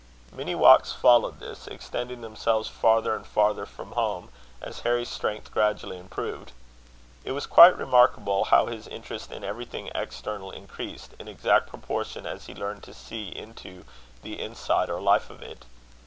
Many walks followed this, extending themselves farther and farther from home, as Harry's strength gradually improved. It was quite remarkable how his interest in everything external increased, in exact proportion as he learned to see into the inside or life of it.